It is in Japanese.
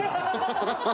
ハハハハ！